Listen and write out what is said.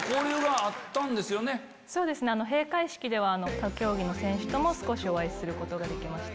他競技の選手とも少しお会いすることができました。